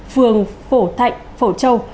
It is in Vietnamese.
phường phổ thạnh phổ châu